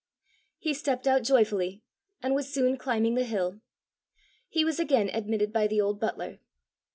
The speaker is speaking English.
He stepped out joyfully, and was soon climbing the hill. He was again admitted by the old butler.